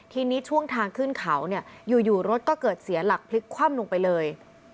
ทีนี้ช่วงทางขึ้นเขาเนี่ยอยู่รถก็เกิดเสียหลักพลิกคว่ำลงไปเลย